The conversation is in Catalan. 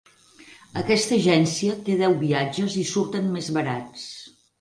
Aquesta agència té deu viatges i surten més barats.